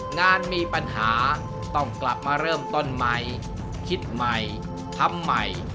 งานมีปัญหาต้องกลับมาเริ่มต้นใหม่คิดใหม่ทำใหม่